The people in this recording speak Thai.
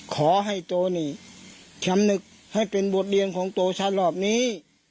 ขอให้โจนี่ชำนึกให้เป็นบทเรียนของตัวฉันรอบนี้